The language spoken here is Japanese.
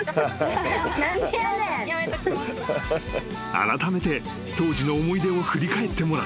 ［あらためて当時の思い出を振り返ってもらった］